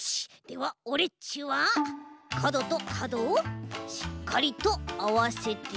ではオレっちはかどとかどをしっかりとあわせて。